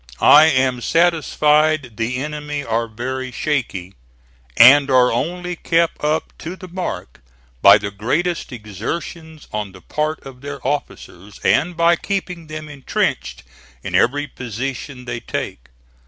I am satisfied the enemy are very shaky, and are only kept up to the mark by the greatest exertions on the part of their officers, and by keeping them intrenched in every position they take.